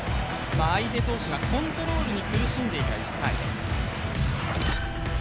相手投手がコントロールに苦しんでいた２回。